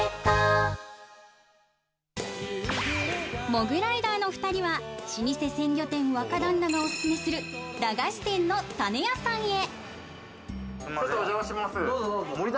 モグライダーの２人は老舗鮮魚店の若旦那がオススメする駄菓子店の種屋さんへ。